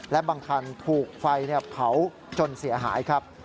และบางคันถูกไฟเผาจนเสียหายครับ